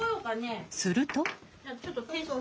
すると。